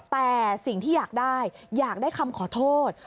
แต่สิ่งที่อยากได้อยากได้คำขอโทษ